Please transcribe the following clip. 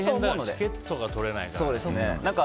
チケットが取れないから。